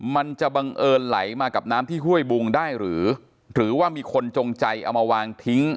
มันจะบังเอิญไหลมากับน้ำที่ห้วยบุงได้หรือหรือว่ามีคนจงใจเอามาวางทิ้ง